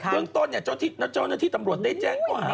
เรื่องต้นเนี่ยเจ้าหน้าที่ตำรวจได้แจ้งว่า